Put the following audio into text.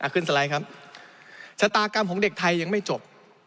สไลด์ครับชะตากรรมของเด็กไทยยังไม่จบ